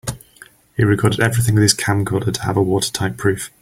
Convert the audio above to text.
He recorded everything with his camcorder to have a watertight proof.